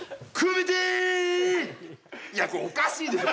これおかしいでしょ！